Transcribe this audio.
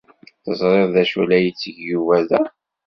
Teẓrid d acu ay la yetteg Yuba da?